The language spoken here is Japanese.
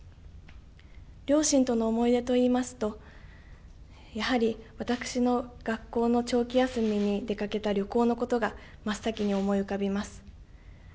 両親との思い出といいますとやはり私の学校の長期休みに出かけた旅行のことが真っ先に思い浮かびます。